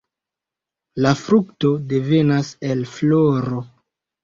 La frukto devenas el floro.